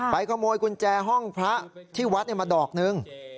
ขโมยกุญแจห้องพระที่วัดมาดอกนึง